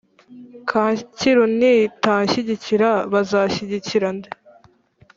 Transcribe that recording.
Kacyiru ntitanshyigikira bazashyigikira nde